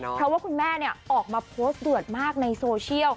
เพราะว่าคุณแม่ออกมาโพสต์เดือดมากในโซเชียล